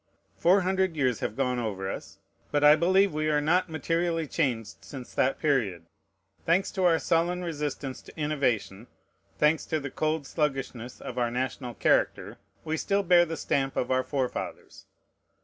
Four hundred years have gone over us; but I believe we are not materially changed since that period. Thanks to our sullen resistance to innovation, thanks to the cold sluggishness of our national character, we still bear the stamp of our forefathers.